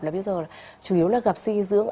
là bây giờ là chủ yếu là gặp suy dưỡng